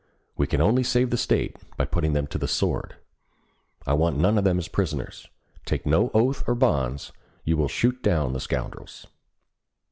We can only save the State by putting them to the sword. I want none of them as prisoners. Take no oath or bonds. You will shoot down the scoundrels.